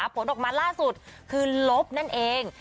ผลออกมาล่าสุดคือลบนั่นเอง